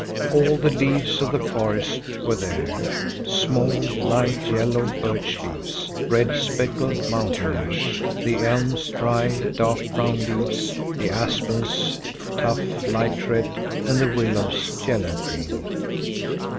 All the leaves of the forest were there: small, light yellow birch leaves, red speckled mountain ash, the elm's dry, dark brown leaves, the aspen's tough light red, and the willow's yellow green.